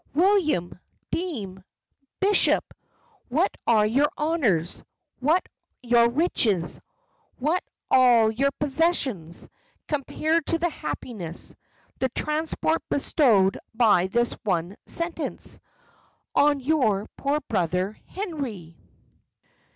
William! dean! bishop! what are your honours, what your riches, what all your possessions, compared to the happiness, the transport bestowed by this one sentence, on your poor brother Henry?